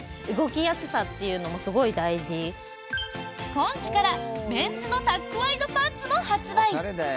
今期からメンズのタックワイドパンツも発売。